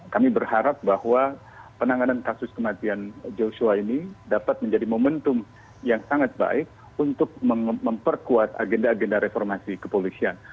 kami berharap bahwa penanganan kasus kematian joshua ini dapat menjadi momentum yang sangat baik untuk memperkuat agenda agenda reformasi kepolisian